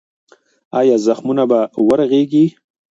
ایا زخمونه به ورغېږي؟